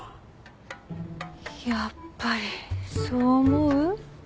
やっぱりそう思う？